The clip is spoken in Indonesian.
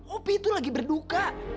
opi itu lagi berduka